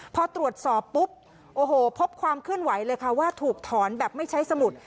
พอตรวจสอบปุ๊บโอ้โหพบความเคลื่อนไหวเลยค่ะว่าถูกถอนแบบไม่ใช้สมุด